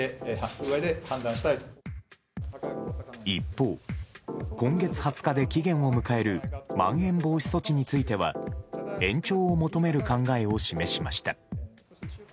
一方、今月２０日で期限を迎えるまん延防止措置については延長を求める考えを示しました。